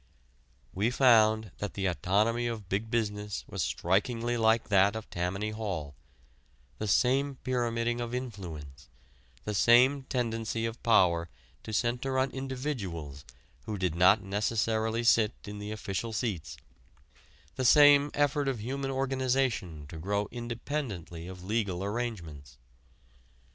We found that the anatomy of Big Business was strikingly like that of Tammany Hall: the same pyramiding of influence, the same tendency of power to center on individuals who did not necessarily sit in the official seats, the same effort of human organization to grow independently of legal arrangements.